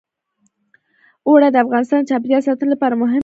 اوړي د افغانستان د چاپیریال ساتنې لپاره مهم دي.